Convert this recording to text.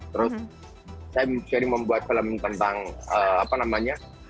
terus saya sering membuat film tentang apa namanya